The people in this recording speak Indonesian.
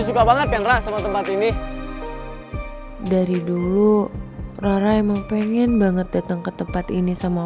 suka banget enak sama tempat ini dari dulu rara emang pengen banget datang ke tempat ini sama